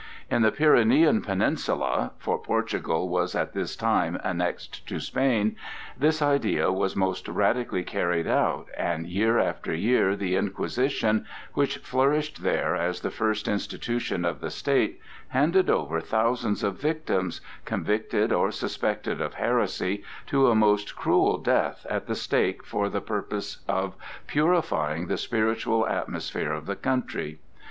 In the Pyrenean peninsula—for Portugal was at this time annexed to Spain—this idea was most radically carried out, and year after year the Inquisition, which flourished there as the first institution of the state, handed over thousands of victims, convicted or suspected of heresy, to a most cruel death at the stake for the purpose of purifying the spiritual atmosphere of the country.